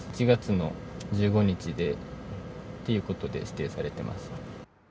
１月の１５日で、ということで指定されてます。